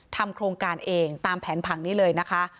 ทำโครงการเองตามแผนผังนี้เลยนะคะ